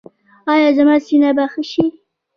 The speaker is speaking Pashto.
ایا زما سینه به ښه شي؟